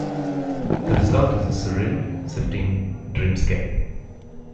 The result is a surreal, shifting dreamscape.